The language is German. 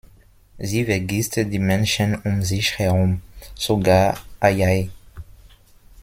Sie vergisst die Menschen um sich herum, sogar Ajay.